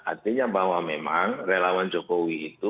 nah artinya bahwa memang relawan jokowi itu tidak bisa diikuti